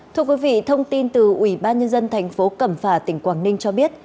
thưa quý vị thông tin từ ủy ban nhân dân thành phố cẩm phả tỉnh quảng ninh cho biết